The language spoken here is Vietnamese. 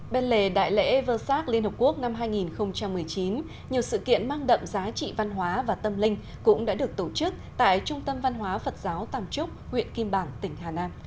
bên lề đại lễ vơ sát liên hợp quốc năm hai nghìn một mươi chín nhiều sự kiện mang đậm giá trị văn hóa và tâm linh cũng đã được tổ chức tại trung tâm văn hóa phật giáo tàm trúc huyện kim bảng tỉnh hà nam